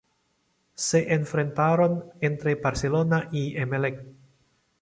Se enfrentaron entre Barcelona y Emelec.